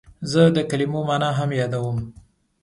زه د کلمو مانا هم یادوم.